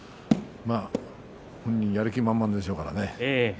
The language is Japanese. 本人はやる気満々でしょうからね。